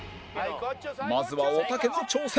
まずはおたけの挑戦